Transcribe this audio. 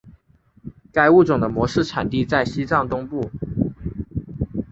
该物种的模式产地在西藏东部。